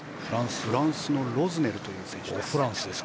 フランスのロズネルという選手です。